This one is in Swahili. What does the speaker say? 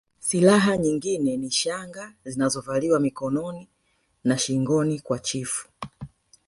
Silaha nyingine ni shanga zinazovaliwa mikononi na shingoni kwa chifu